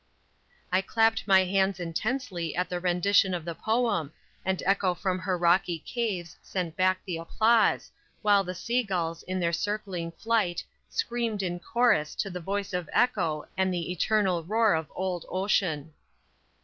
_ I clapped my hands intensely at the rendition of the poem, and echo from her rocky caves sent back the applause, while the sea gulls in their circling flight, screamed in chorus to the voice of echo and the eternal roar of old ocean.